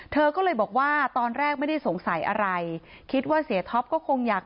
เพราะไม่มีเงินไปกินหรูอยู่สบายแบบสร้างภาพ